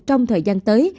trong thời gian tới